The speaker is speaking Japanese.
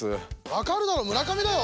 分かるだろ村上だよ！